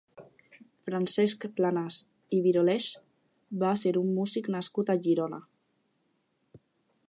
Francesc Planas i Virolesch va ser un músic nascut a Girona.